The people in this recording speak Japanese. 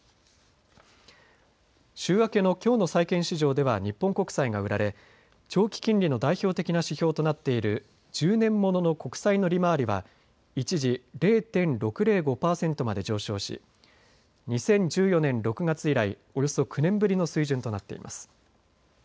週明けのきょうの債券市場では日本国債が売られ長期金利の代表的な指標となっている１０年ものの国債の利回りは一時、０．６０５％まで上昇し２０１４年６月以来、およそ９年ぶりの水準となっています。